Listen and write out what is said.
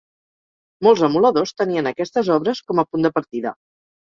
Molts emuladors tenien aquestes obres com a punt de partida.